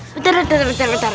bentar bentar bentar